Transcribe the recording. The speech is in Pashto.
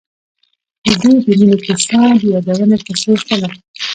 د دوی د مینې کیسه د یادونه په څېر تلله.